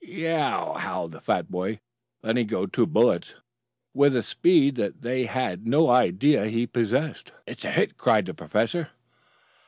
"Yeow!" howled the fat boy letting go two bullets with a speed that they had no idea he possessed. "It's a hit!" cried the professor.